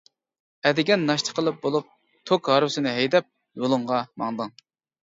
ئەتىگەن ناشتا قىلىپ بولۇپ توك ھارۋىسىنى ھەيدەپ يولۇڭغا ماڭدىڭ.